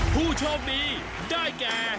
ผู้โชคดีได้แก่